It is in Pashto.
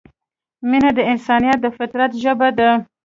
مینه د انسان د فطرت ژبه ده.